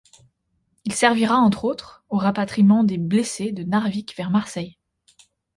Il servira, entre autres, au rapatriement des blessés de Narvik vers Marseille.